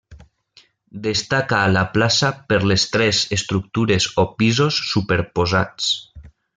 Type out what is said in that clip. Destaca a la plaça per les tres estructures o pisos superposats.